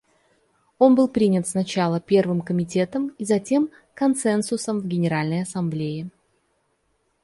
Он был принят сначала Первым комитетом и затем консенсусом в Генеральной Ассамблее.